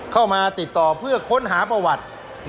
เข้ามาติดต่อเพื่อค้นหาประวัติ